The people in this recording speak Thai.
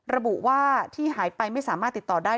ระบุว่าที่หายไปไม่สามารถติดต่อได้